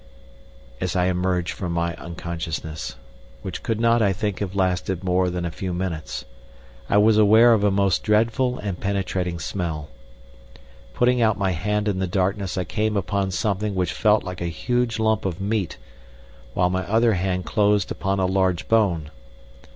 As I emerged from my unconsciousness which could not, I think, have lasted more than a few minutes I was aware of a most dreadful and penetrating smell. Putting out my hand in the darkness I came upon something which felt like a huge lump of meat, while my other hand closed upon a large bone.